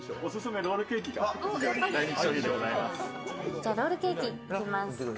じゃ、ロールケーキいきます